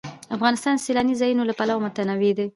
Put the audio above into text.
افغانستان د سیلانی ځایونه له پلوه متنوع دی.